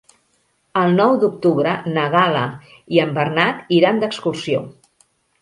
El nou d'octubre na Gal·la i en Bernat iran d'excursió.